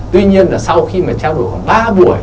tuy nhiên là sau khi mà trao đổi khoảng ba buổi